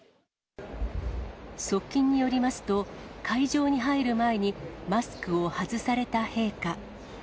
側近によりますと、会場に入る前にマスクを外された陛下。